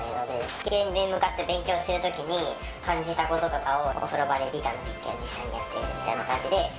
机に向かって勉強している時に感じたこととかをお風呂場で理科の実験にしてやってみるみたいな感じで。